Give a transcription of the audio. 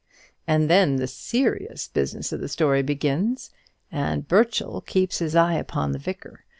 And then the serious business of the story begins, and Burchell keeps his eye upon the Vicar.